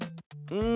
うん！